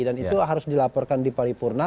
dan itu harus dilaporkan di paripurna